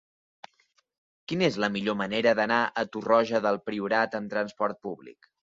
Quina és la millor manera d'anar a Torroja del Priorat amb trasport públic?